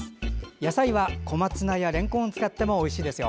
野菜は、小松菜やれんこんを使ってもおいしいですよ。